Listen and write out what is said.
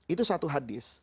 itu satu hadis